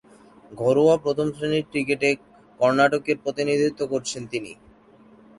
ঘরোয়া প্রথম-শ্রেণীর ক্রিকেটে কর্ণাটকের প্রতিনিধিত্ব করছেন তিনি।